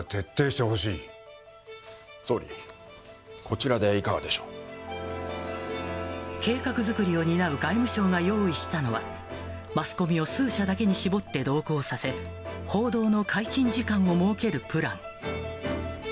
総理、こちらでいかがでしょ計画作りを担う外務省が用意したのは、マスコミを数社だけに絞って同行させ、報道の解禁時間を設けるプラン。